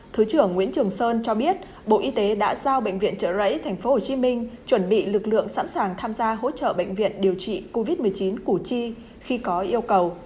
thứ trưởng nguyễn trường sơn cho biết bộ y tế đã giao bệnh viện trợ rẫy tp hcm chuẩn bị lực lượng sẵn sàng tham gia hỗ trợ bệnh viện điều trị covid một mươi chín củ chi khi có yêu cầu